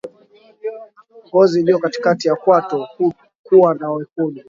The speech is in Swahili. Ngozi iliyo katikati ya kwato kuwa na wekundu